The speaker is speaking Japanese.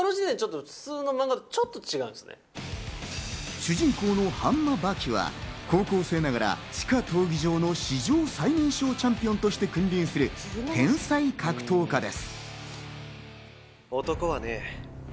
主人公の範馬刃牙は高校生ながら地下闘技場の史上最年少チャンピオンとして君臨する天才格闘家です。